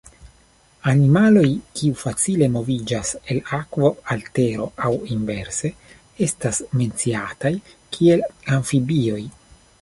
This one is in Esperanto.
Animaloj kiuj facile moviĝas el akvo al tero aŭ inverse estas menciataj kiel amfibioj.